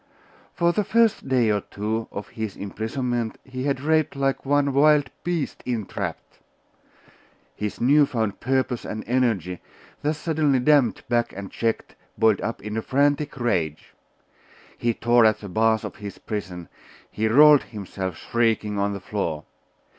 For the first day or two of his imprisonment he had raved like some wild beast entrapped. His new found purpose and energy, thus suddenly dammed back and checked, boiled up in frantic rage. He tore at the bars of his prison; he rolled himself, shrieking, on the floor.